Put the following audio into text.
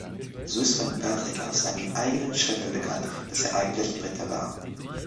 So ist von Patrick aus seinen eigenen Schriften bekannt, dass er eigentlich Brite war.